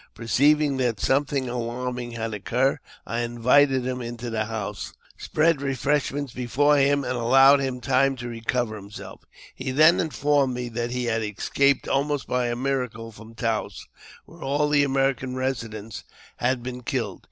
Perceiving that something alarming liad occurred, I invited him into the house, spread refresh 400 AUTOBIOGBAPHY OF ments before him and allowed him time to recover himselL He then informed me that he had escaped almost by a miracle from Taos, where all the American residents had been killed.